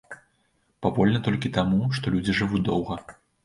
Павольна толькі таму, што людзі жывуць доўга.